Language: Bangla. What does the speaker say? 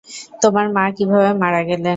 তোমার মা কিভাবে মারা গেলেন?